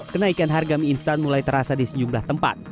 kenaikan harga mie instan mulai terasa di sejumlah tempat